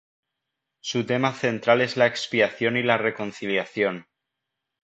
Su tema central es la expiación y la reconciliación.